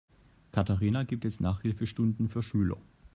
Katharina gibt jetzt Nachhilfestunden für Schüler.